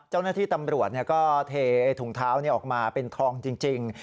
เจ้าหน้าที่ตำรวจก็เทถุงเท้าออกมาเป็นทองจริง